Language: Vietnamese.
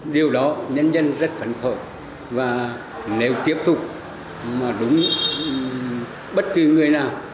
điều đó nhân dân rất phấn khởi và nếu tiếp tục đúng bất kỳ người nào